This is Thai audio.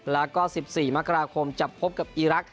แล้วก็๑๔มกราคมจะพบกับอีรักษ